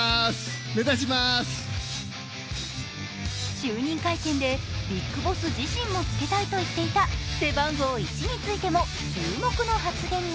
就任会見で、ビッグボス自身もつけたいと言っていた背番号１についても注目の発言が。